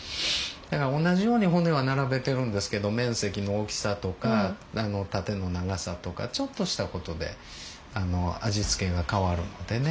だから同じように骨は並べてるんですけど面積の大きさとか縦の長さとかちょっとした事で味付けが変わるのでね。